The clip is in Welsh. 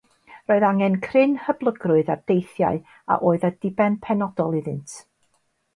Roedd angen cryn hyblygrwydd ar deithiau a oedd â diben penodol iddynt.